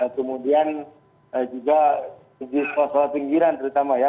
kemudian juga di sekolah sekolah pinggiran terutama ya